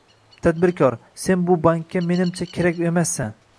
Tadbirkor, sen bu bankka menimcha kerak emassan.